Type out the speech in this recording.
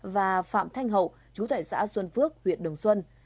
và phạm thanh hậu chú tại xã xuân phước huyện đồng xuân